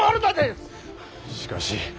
しかし。